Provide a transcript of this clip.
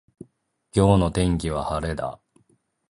今日の天気は晴れだ。